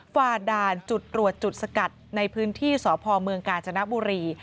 ฝ่าด่านจุดตรวจจุดสกัดในพื้นที่สพเมืองกาญจนบุรี